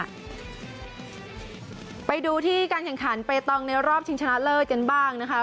ไปดูที่การแข่งขันเปตองในรอบชิงชนะเลิศกันบ้างนะคะ